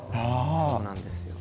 そうなんですよ。